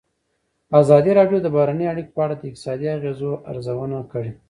ازادي راډیو د بهرنۍ اړیکې په اړه د اقتصادي اغېزو ارزونه کړې.